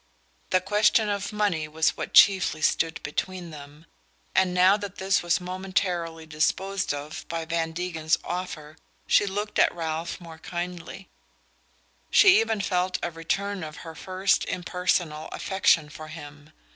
The question of money was what chiefly stood between them; and now that this was momentarily disposed of by Van Degen's offer she looked at Ralph more kindly she even felt a return of her first impersonal affection for him.